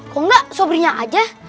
kok gak sobrinya aja